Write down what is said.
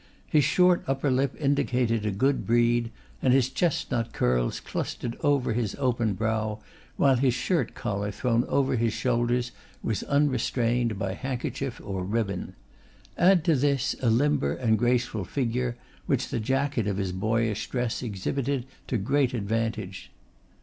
His short upper lip indicated a good breed; and his chestnut curls clustered over his open brow, while his shirt collar thrown over his shoulders was unrestrained by handkerchief or ribbon. Add to this, a limber and graceful figure, which the jacket of his boyish dress exhibited to great advantage.